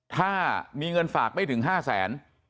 ถ้ามีเงินฝากไม่ถึง๕แสน